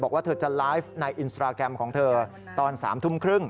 บอกว่าเธอจะไลฟ์ในอินสตราแกรมของเธอตอน๓ทุ่มครึ่ง